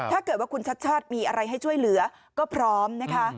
ถ้าเกิดว่าคุณชัดชาติมีอะไรให้ช่วยเหลือก็พร้อมนะคะ